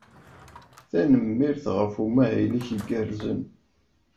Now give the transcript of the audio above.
Tanemmirt ɣef umahil-ik igerrzen.